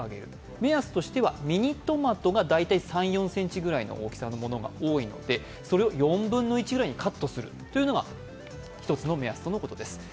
目安としてはミニトマトが大体３４ｃｍの大きさのものが多いのでそれを４分の１くらいにカットするというのが１つの目安ということです。